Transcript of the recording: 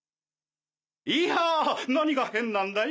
いやぁ何が変なんだい？